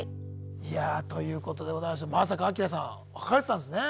いやということでございましてまさかアキラさん別れてたんですね。